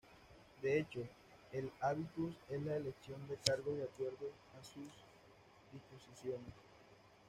De hecho, el habitus es la elección de cargos de acuerdo a sus disposiciones.